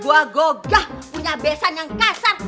gue gogah punya besan yang kasar